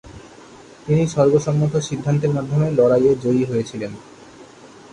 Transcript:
তিনি সর্বসম্মত সিদ্ধান্তের মাধ্যমে লড়াইয়ে জয়ী হয়েছিলেন।